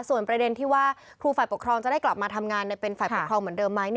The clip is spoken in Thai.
ส่วนประเด็นที่ว่าครูฝ่ายปกครองจะได้กลับมาทำงานเป็นฝ่ายปกครองเหมือนเดิมไหม